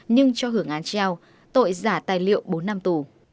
nhưng cho hưởng án treo tội giả tài liệu bốn năm tù